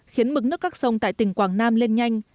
khiến mực nước các sông tại tỉnh quảng nam lên nhanh